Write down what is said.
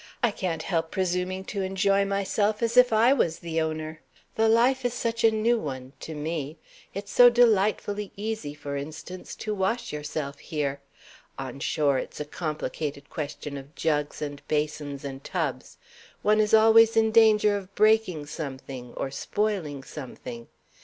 I can't help presuming to enjoy myself as if I was the owner. The life is such a new one to me! It's so delightfully easy, for instance, to wash yourself here. On shore it's a complicated question of jugs and basins and tubs; one is always in danger of breaking something, or spoiling something.